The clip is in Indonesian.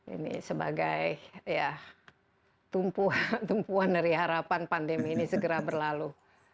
ini sebagai tumpuan dari harapan pandemi ini segera berlalu